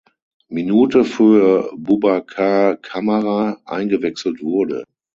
Minute für Boubacar Kamara eingewechselt wurde.